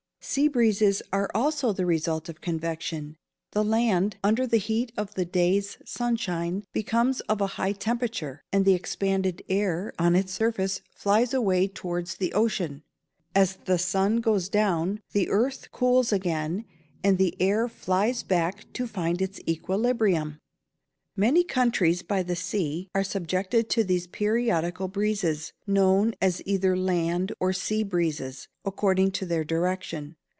_ Sea breezes are also the result of convection. The land, under the heat of the day's sunshine, becomes of a high temperature, and the expanded air on its surface flies away towards the ocean. As the sun goes down, the earth cools again, and the air flies back to find its equilibrium. Many countries by the sea are subjected to these periodical breezes, known as either "land" or "sea breezes," according to their direction.